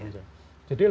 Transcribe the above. bisa untuk wisata